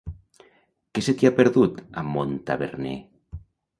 Què se t'hi ha perdut, a Montaverner?